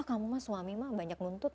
kamu suami banyak nuntut